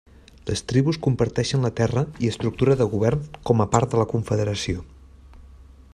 Les tribus comparteixen la terra i estructura de govern com a part de la confederació.